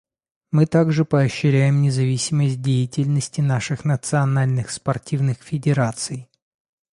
Мы также поощряем независимость деятельности наших национальных спортивных федераций.